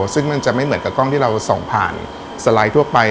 ซึ่งมันจะไม่เหมือนกับกล้องที่เราส่องผ่านสไลด์ทั่วไป